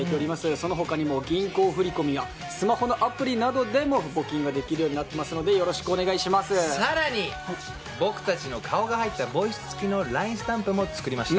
その他にも、銀行振り込みやスマホのアプリなどでも募金ができるようになっていますのでさらに僕たちの顔が入ったボイス付きのＬＩＮＥスタンプも作りました。